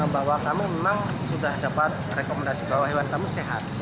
bahwa kami memang sudah dapat rekomendasi bahwa hewan kami sehat